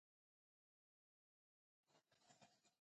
په افغانستان کې د ژمی تاریخ اوږد دی.